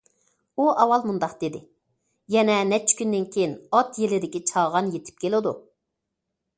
ئۇ ئاۋۋال مۇنداق دېدى: يەنە نەچچە كۈندىن كېيىن ئات يىلىدىكى چاغان يېتىپ كېلىدۇ.